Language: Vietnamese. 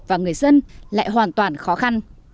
và người dân lại hoàn toàn khó khăn